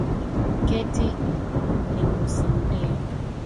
keti nikusimulie.